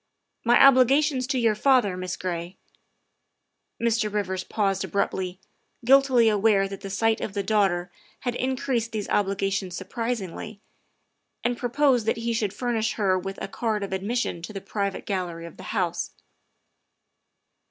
My obligations to your father, Miss Gray " Mr. Rivers paused abruptly, guiltily aware that the sight of the daughter had increased these obligations sur prisingly, and proposed that he should furnish her with a card of admission to the private gallery of the House.